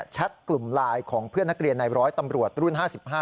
กลุ่มไลน์ของเพื่อนนักเรียนในร้อยตำรวจรุ่น๕๕